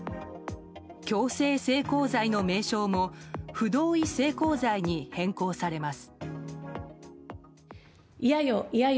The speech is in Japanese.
強制性交罪の名称も不同意性交罪に変更されます。